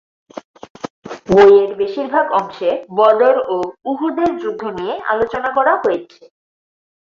বইয়ের বেশিরভাগ অংশে বদর ও উহুদের যুদ্ধ নিয়ে আলোচনা করা হয়েছে।